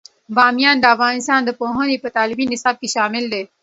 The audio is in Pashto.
بامیان د افغانستان د پوهنې په تعلیمي نصاب کې شامل دی.